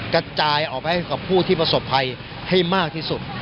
กระจายออกไปให้กับผู้ที่ประสบภัยให้มากที่สุด